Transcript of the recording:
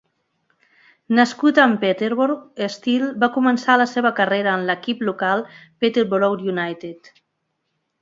Nascut en Peterborough, Steele va començar la seva carrera en l'equip local Peterborough United.